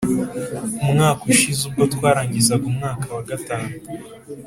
umwaka ushize ubwo twarangizaga umwaka wa gatanu,